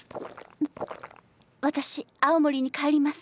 私青森に帰ります！